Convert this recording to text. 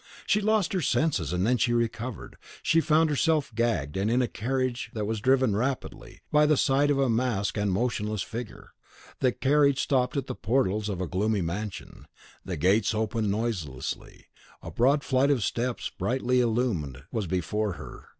She lost her senses; and when she recovered, she found herself gagged, and in a carriage that was driven rapidly, by the side of a masked and motionless figure. The carriage stopped at the portals of a gloomy mansion. The gates opened noiselessly; a broad flight of steps, brilliantly illumined, was before her.